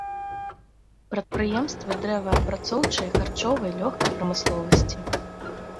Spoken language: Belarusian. Прадпрыемствы дрэваапрацоўчай, харчовай, лёгкай прамысловасці.